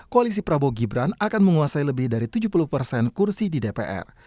koalisi prabowo gibran akan menguasai lebih dari tujuh puluh persen kursi di dpr